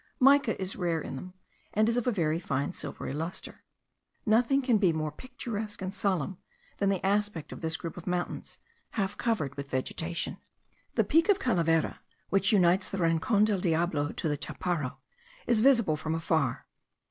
Mica is rare in them, and is of a fine silvery lustre. Nothing can be more picturesque and solemn than the aspect of this group of mountains, half covered with vegetation. The Peak of Calavera, which unites the Rincon del Diablo to the Chaparro, is visible from afar.